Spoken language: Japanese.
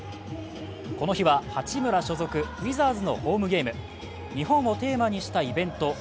この日は八村所属ウィザーズのホームゲーム日本をテーマにしたイベント